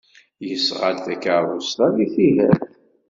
Yesɣa-d takeṛṛust-a deg Tihert.